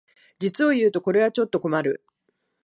実をいうとこれはちょっと困る